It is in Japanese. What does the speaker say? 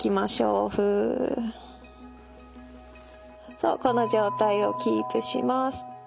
そうこの状態をキープします。